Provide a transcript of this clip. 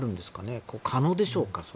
それは可能でしょうか。